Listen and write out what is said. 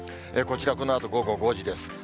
こちら、このあと午後５時です。